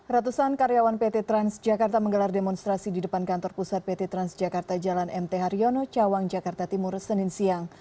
ratusan karyawan pt transjakarta menggelar demonstrasi di depan kantor pusat pt transjakarta jalan mt haryono cawang jakarta timur senin siang